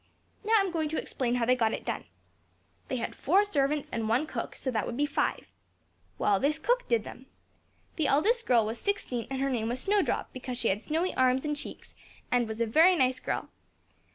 Now I'm going to explain how they got it done. They had four servants and one cook, so that would be five. Well, this cook did them. The eldest girl was sixteen, and her name was Snowdrop, because she had snowy arms and cheeks, and was a very nice girl.